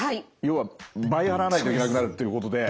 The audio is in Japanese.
要は倍払わないといけなくなるってことで。